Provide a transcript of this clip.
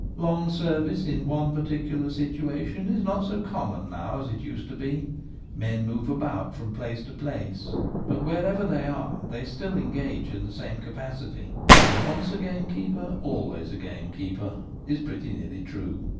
Long service in one particular situation is not so common now as it used to be. Men move about from place to place, but wherever they are they still engage in the same capacity ; and once a gamekeeper always a gamekeeper is pretty nearly true.